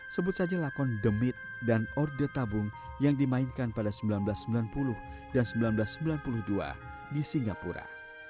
sebut saja lakon demit dan orde tabung yang dimainkan pada seribu sembilan ratus sembilan puluh dan seribu sembilan ratus sembilan puluh dua di singapura